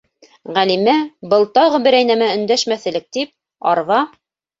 Ғәлимә, был тағы берәй нәмә өндәшмәҫ элек тип, арба